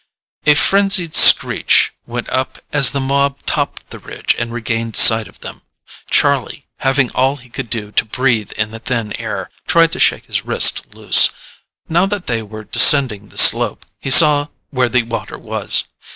A frenzied screech went up as the mob topped the ridge and regained sight of them. Charlie, having all he could do to breathe in the thin air, tried to shake his wrist loose. Now that they were descending the slope, he saw where the water was.